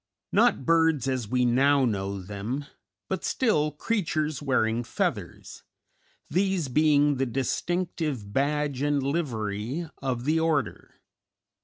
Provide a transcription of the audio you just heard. Not birds as we now know them, but still creatures wearing feathers, these being the distinctive badge and livery of the order.